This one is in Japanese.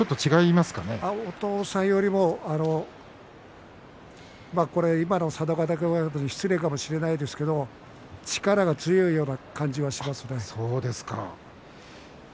お父さんよりも今の佐渡ヶ嶽親方に失礼かもしれないですけれど力が強いような感じはしますね。